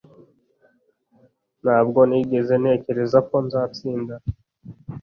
Ntabwo nigeze ntekereza ko nzatsinda.